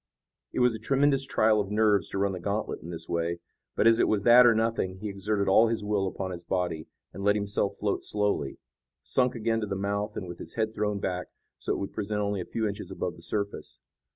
It was a tremendous trial of nerves to run the gantlet in this way, but as it was that or nothing he exerted all his will upon his body, and let himself float slowly, sunk again to the mouth and with his head thrown back, so it would present only a few inches above the surface.